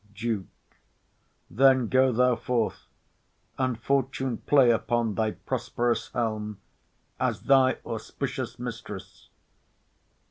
DUKE. Then go thou forth; And fortune play upon thy prosperous helm, As thy auspicious mistress!